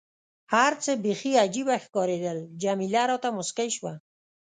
هر څه بیخي عجيبه ښکارېدل، جميله راته موسکۍ شوه.